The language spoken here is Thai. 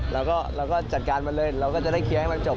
เราก็จัดการมาเลยเราก็จะได้เคลียร์ให้มันจบ